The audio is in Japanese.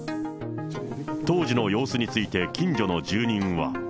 当時の様子について近所の住人は。